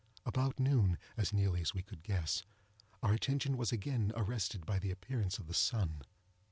About noon, as nearly as we could guess, our attention was again arrested by the appearance of the sun.